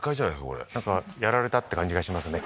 これなんかやられたって感じがしますね